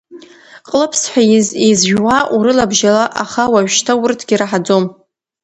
Ҟлыԥсҳәа изжәуа урылабжьала, аха уажәшьҭа урҭгьы ираҳаӡом!